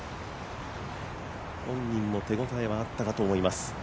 本人も手応えはあったかと思います。